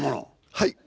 はい。